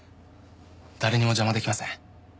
誰にも邪魔できません。